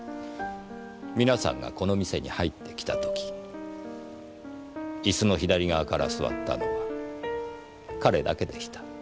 皆さんがこの店に入ってきたときイスの左側から座ったのは彼だけでした。